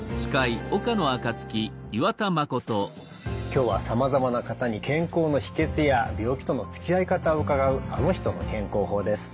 今日はさまざまな方に健康の秘けつや病気とのつきあい方を伺う「あの人の健康法」です。